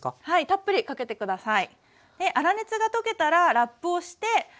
たっぷりかけて下さい。